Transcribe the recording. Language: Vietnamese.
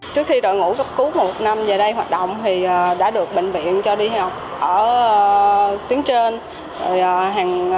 trước khi đội ngũ cấp cứu một trăm một mươi năm về đây hoạt động thì đã được bệnh viện cho đi học ở tuyến trên